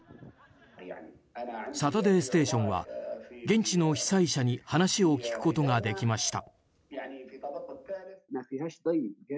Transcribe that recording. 「サタデーステーション」は現地の被災者に話を聞くことができました。